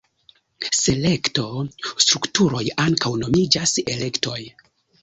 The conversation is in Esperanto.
Selekto-strukturoj ankaŭ nomiĝas elektoj.